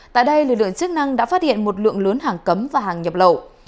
tại đây lực lượng chức năng đã phát hiện một lượng lớn hàng cấm và hàng nhập lậu